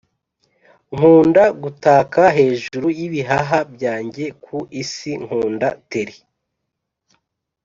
nkunda gutaka hejuru y'ibihaha byanjye ku isi "nkunda terri!"